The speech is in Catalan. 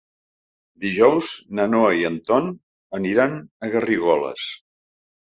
Dijous na Noa i en Ton aniran a Garrigoles.